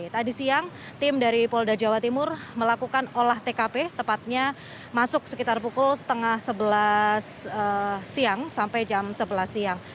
tadi siang tim dari polda jawa timur melakukan olah tkp tepatnya masuk sekitar pukul setengah sebelas siang sampai jam sebelas siang